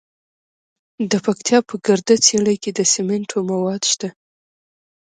د پکتیا په ګرده څیړۍ کې د سمنټو مواد شته.